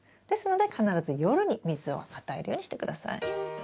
ですので必ず夜に水を与えるようにして下さい。